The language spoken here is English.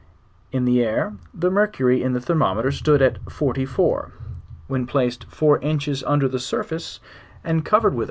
In the air the mercury in the Thermometer stood at 44; when placed fouj inches under Ike surface, and covered with.